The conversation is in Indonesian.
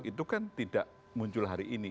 itu kan tidak muncul hari ini